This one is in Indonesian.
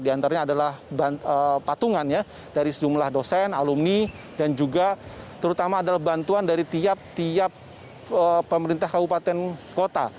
di antaranya adalah patungan ya dari sejumlah dosen alumni dan juga terutama adalah bantuan dari tiap tiap pemerintah kabupaten kota